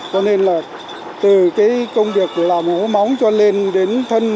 cho nên là từ cái công việc làm hố móng cho lên đến thân